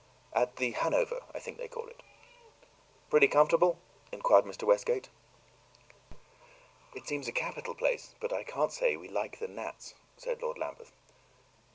"At the Hanover, I think they call it." "Pretty comfortable?" inquired Mr. Westgate. "It seems a capital place, but I can't say we like the gnats," said Lord Lambeth. Mr.